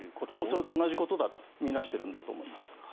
それと同じことだと見なしているんだと思います。